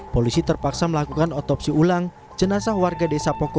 polisi terpaksa melakukan otopsi ulang jenazah warga desa pokok